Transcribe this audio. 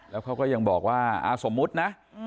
แล้วเขาก็ยังบอกว่าสมมุตินะ